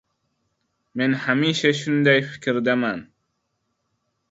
Men hamisha shunday fikrdaman.